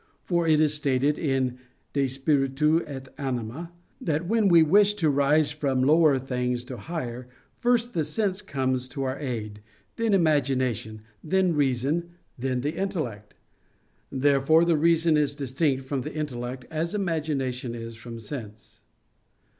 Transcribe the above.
For it is stated in De Spiritu et Anima that "when we wish to rise from lower things to higher, first the sense comes to our aid, then imagination, then reason, then the intellect." Therefore the reason is distinct from the intellect, as imagination is from sense.